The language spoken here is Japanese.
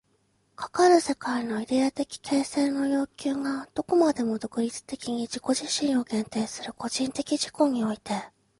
かかる世界のイデヤ的形成の要求がどこまでも独立的に自己自身を限定する個人的自己において、